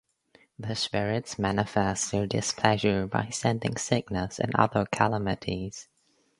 The spirits manifest their displeasure by sending sickness and other calamities.